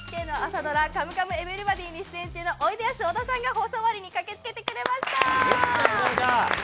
ＮＨＫの朝ドラ、「カムカムエヴリバディ」に出演中のおいでやす小田さんが放送終わりに駆けつけてくれました！